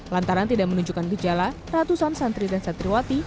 lantaran tidak menunjukkan gejala ratusan santri dan santriwati